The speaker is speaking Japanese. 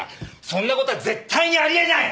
そんなことは絶対にありえない！